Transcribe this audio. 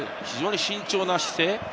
非常に慎重な姿勢。